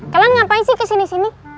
kalian ngapain sih kesini sini